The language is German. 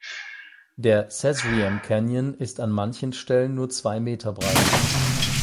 Der Sesriem-Canyon ist an manchen Stellen nur zwei Meter breit.